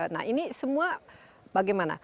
nah ini semua bagaimana